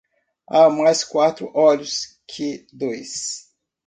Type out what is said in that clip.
Há mais quatro olhos que dois.